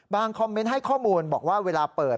คอมเมนต์ให้ข้อมูลบอกว่าเวลาเปิด